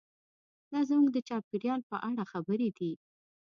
دا زموږ د چاپیریال په اړه خبرې دي.